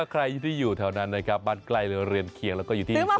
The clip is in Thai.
ถ้าใครที่อยู่แถวนั้นบ้านไกลเรือนเคียงแล้วก็อยู่ที่สุราชน์